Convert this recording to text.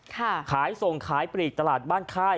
ค่ะขายส่งขายผลิตตลาดบ้านค่าย